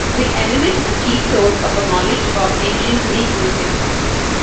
The "Elements" is the chief source of our knowledge of ancient Greek music.